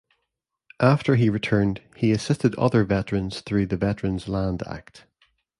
After he returned, he assisted other veterans through the Veterans Land Act.